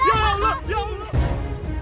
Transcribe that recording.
ya allah ya allah